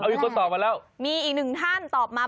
มีคนตอบมาแล้วมีอีกหนึ่งท่านตอบมา